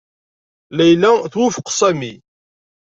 Layla twufeq Sami.